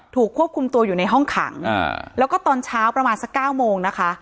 ถูกควบคุมตัวอยู่ในห้องขังแล้วก็ตอนเช้าประมาณสักเก้าโมงนะคะ